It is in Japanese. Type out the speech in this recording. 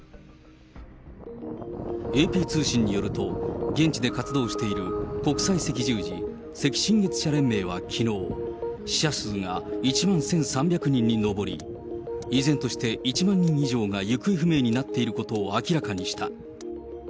ＡＰ通信によると、現地で活動している国際赤十字赤新月社連盟はきのう、死者数が１万１３００人に上り、依然として１万人以上が行方不明になっていることを明らかにした。